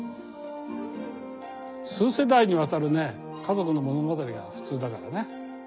数世代にわたるね家族の物語が普通だからね。